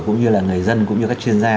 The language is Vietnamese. cũng như là người dân cũng như các chuyên gia